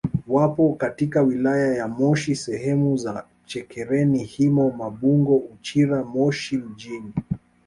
Wapo katika wilaya ya Moshi sehemu za Chekereni Himo Mabungo Uchira Moshi mjini